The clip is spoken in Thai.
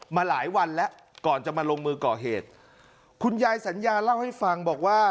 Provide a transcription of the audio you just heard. มาหลายวันแล้วก่อนจะมาลงมือก่อเหตุคุณยายสัญญาเล่าให้ฟังบอกว่า